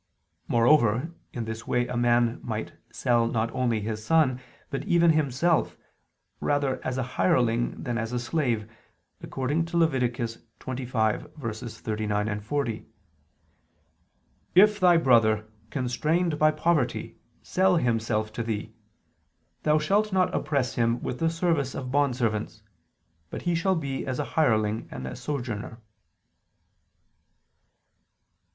Moreover, in this way a man might sell not only his son, but even himself, rather as a hireling than as a slave, according to Lev. 25:39, 40: "If thy brother, constrained by poverty, sell himself to thee, thou shalt not oppress him with the service of bondservants: but he shall be as a hireling and a sojourner."